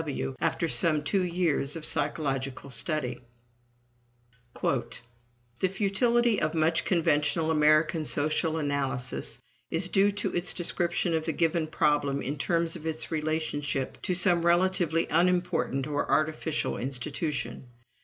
W.W., after some two years of psychological study. "The futility of much conventional American social analysis is due to its description of the given problem in terms of its relationship to some relatively unimportant or artificial institution.